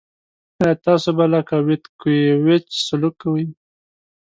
آیا تاسو به لکه ویتکیویچ سلوک کوئ.